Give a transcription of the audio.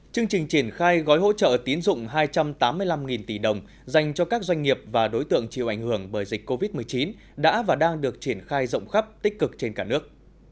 chương trình triển khai gói hỗ trợ tiến dụng hai trăm tám mươi năm tỷ đồng dành cho các doanh nghiệp và đối tượng chịu ảnh hưởng bởi dịch covid một mươi chín đã và đang được triển khai rộng khắp tích cực trên cả nước